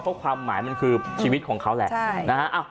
เพราะความหมายมันคือชีวิตของเขาแหละนะฮะ